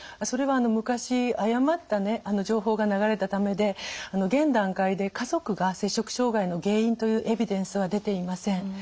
それは昔誤った情報が流れたためで現段階で家族が摂食障害の原因というエビデンスは出ていません。